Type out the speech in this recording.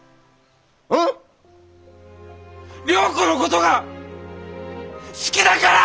良子のことが好きだから！